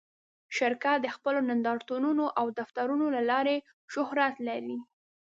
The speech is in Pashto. شرکت د خپلو نندارتونونو او دفترونو له لارې شهرت لري.